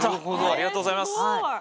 ありがとうございます。